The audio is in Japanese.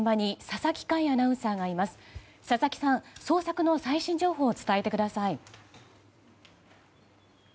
佐々木さん、捜索の最新情報を伝えてください。